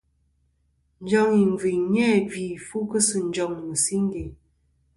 Njoŋ ìngviyn ni-a gvi fu kɨ sɨ njoŋ mɨ̀singe.